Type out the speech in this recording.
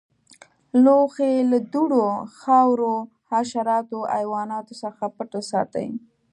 لوښي له دوړو، خاورو، حشراتو او حیواناتو څخه پټ وساتئ.